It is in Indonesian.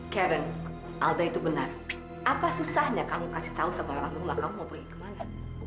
kevin alda itu benar apa susahnya kamu kasih tahu sama orang tua kamu mau pergi kemana